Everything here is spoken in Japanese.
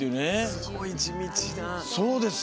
すごい地道な。